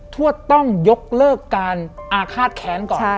ทวดต้องยกเลิกการอาฆาตแค้นก่อน